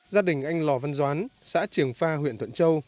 gia đình anh lò văn doán xã triềng pha huyện thuận châu